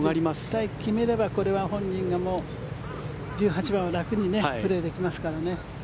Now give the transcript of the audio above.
絶対決めればこれは本人が１８番は楽にプレーできますからね。